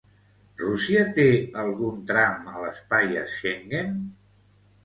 Rússia té algun tram a l'espai Schengen?